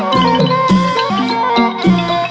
กลับมารับทราบ